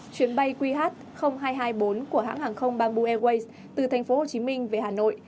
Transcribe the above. chuyến bay qh hai trăm hai mươi bốn của hãng hàng không bamboo airways từ tp hồ chí minh về hà nội